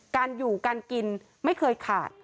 การอยู่การกินไม่เคยขาด